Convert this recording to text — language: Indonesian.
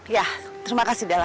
ya terima kasih della